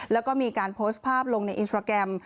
แล้วก็มีการโพสต์ภาพลงในอินสตราแกรม